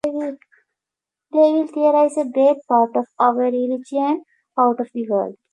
They will theorize a great part of our religion out of the World.